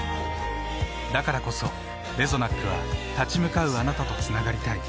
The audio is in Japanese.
だからこそレゾナックは立ち向かうあなたとつながりたい。